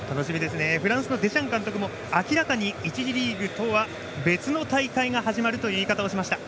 フランスのデシャン監督も明らかに１次リーグとは別の大会が始まるという言い方をしました。